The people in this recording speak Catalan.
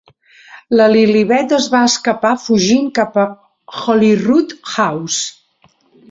La Lilibet es va escapar, fugint cap a Holyrood House.